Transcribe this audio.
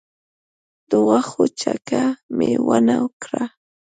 د غوښو څکه مي ونه کړه .